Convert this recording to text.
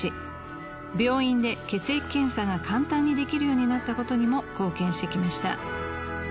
病院で血液検査が簡単にできるようになったことにも貢献してきました。